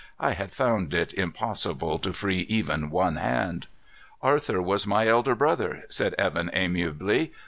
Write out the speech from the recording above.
I had found it impossible to free even one hand. "Arthur was my elder brother," said Evan amiably.